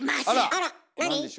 あら何？